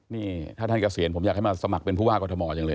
นี่ถ้าท่านเกษียณผมอยากให้มาสมัครเป็นผู้ว่ากรทมจังเลย